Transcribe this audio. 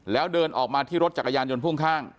แล้วเดินออกมาที่รถจักรยานยนต์พ่วงข้าง